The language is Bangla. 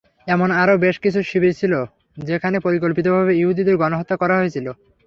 এমন আরও বেশ কিছু শিবির ছিল, যেখানে পরিকল্পিতভাবে ইহুদিদের গণহত্যা করা হয়েছিল।